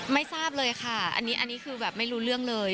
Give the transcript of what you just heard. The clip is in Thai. ไม่ทราบเลยค่ะอันนี้คือแบบไม่รู้เรื่องเลย